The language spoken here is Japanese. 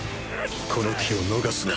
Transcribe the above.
この機を逃すな。